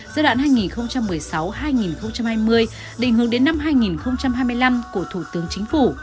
giai đoạn hai nghìn một mươi sáu hai nghìn hai mươi định hướng đến năm hai nghìn hai mươi năm của thủ tướng chính phủ